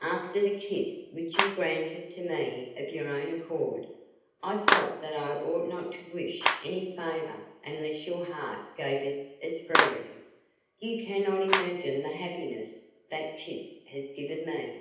"After the kiss which you granted to me of your own accord, I felt that I ought not to wish any favour unless your heart gave it as freely. You cannot imagine the happiness that kiss has given me."